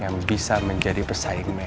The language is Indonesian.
yang bisa menjadi pesaing